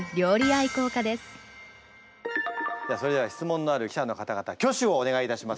それでは質問のある記者の方々挙手をお願いいたします。